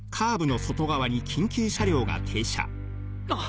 あっ！